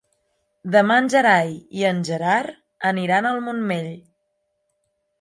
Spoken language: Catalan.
Demà en Gerai i en Gerard aniran al Montmell.